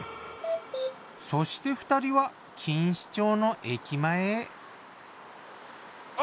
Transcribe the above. そして２人は錦糸町の駅前へ。